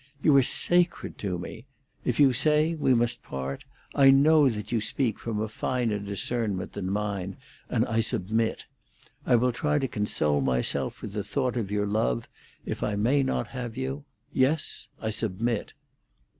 You are sacred to me. If you say we must part, I know that you speak from a finer discernment than mine, and I submit. I will try to console myself with the thought of your love, if I may not have you. Yes, I submit."